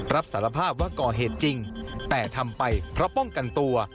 รับสารภาพว่าก่อเหตุจริงแต่ทำไปเพราะป้องกันตัว